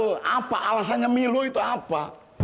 saya sendiri juga gak tau alasannya milo itu apa